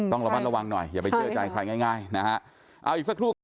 ต้องระมัดระวังหน่อยอย่าไปเชื่อใจใครง่ายง่ายนะฮะเอาอีกสักครู่ครับ